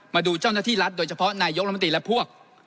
มาดูเจ้าหน้าที่รัฐโดยเฉพาะนายกรัฐมนตรีและพวก